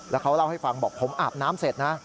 แล้วเขาเล่าให้ฟังบอกผมอาบน้ำเสร็จนะ